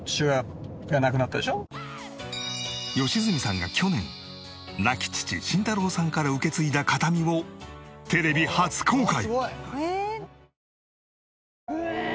良純さんが去年亡き父慎太郎さんから受け継いだ形見をテレビ初公開。